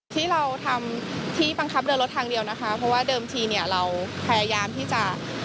ที่เราทำที่บังคับเดินรถทางเดียวนะคะเพราะว่าเดิมทีเนี่ยเราพยายามที่จะ